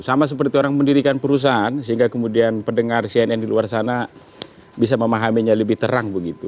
sama seperti orang mendirikan perusahaan sehingga kemudian pendengar cnn di luar sana bisa memahaminya lebih terang begitu